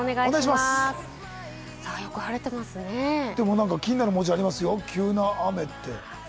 なんか気になる文字がありますよ、急な雨って。